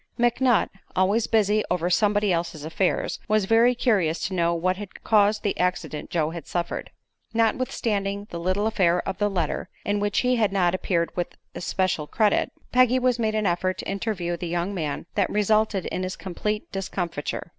McNutt, always busy over somebody else's affairs, was very curious to know what had caused the accident Joe had suffered. Notwithstanding the little affair of the letter, in which he had not appeared with especial credit, Peggy made an effort to interview the young man that resulted in his complete discomfiture.